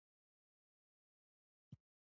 ایرانیان استخدام کړي.